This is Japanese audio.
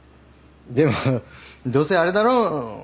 でもどうせあれだろ？